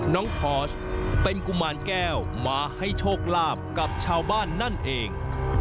พอร์ชเป็นกุมารแก้วมาให้โชคลาภกับชาวบ้านนั่นเอง